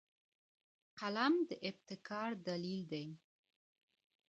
قلم د ابتکار دلیل دی